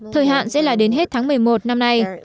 thời hạn sẽ là đến hết tháng một mươi một năm nay